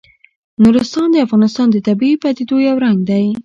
نورستان د افغانستان د طبیعي پدیدو یو رنګ دی.